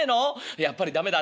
やっぱり駄目だ。